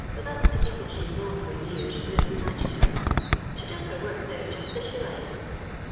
Irat thaft^ii to people she'* known tat yean who fa attached to her. She does her woifc there Just as she likes.